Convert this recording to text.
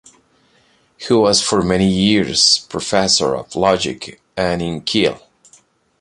He was for many years professor of logic and in Kiel.